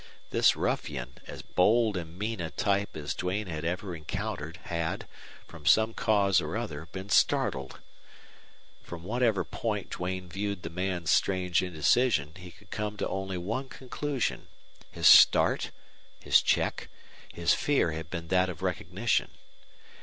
This ruffian, as bold and mean a type as Duane had ever encountered, had, from some cause or other, been startled. From whatever point Duane viewed the man's strange indecision he could come to only one conclusion his start, his check, his fear had been that of recognition.